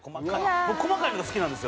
僕細かいのが好きなんですよ